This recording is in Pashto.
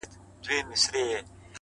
عقل او زړه يې په کعبه کي جوارې کړې ده’